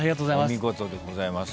お見事でございます。